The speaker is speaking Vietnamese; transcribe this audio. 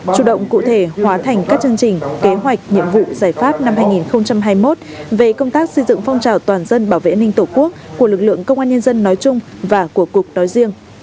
chủ động cụ thể hóa thành các chương trình kế hoạch nhiệm vụ giải pháp năm hai nghìn hai mươi một về công tác xây dựng phong trào toàn dân bảo vệ an ninh tổ quốc của lực lượng công an nhân dân nói chung và của cục nói riêng